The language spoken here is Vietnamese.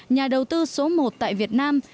nhà đầu tư số một tại việt nam